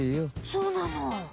そうなの。